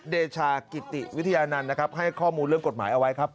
เดชากิติวิทยานันต์นะครับให้ข้อมูลเรื่องกฎหมายเอาไว้ครับ